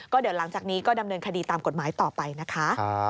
เดี๋ยวหลังจากนี้ก็ดำเนินคดีตามกฎหมายต่อไปนะคะ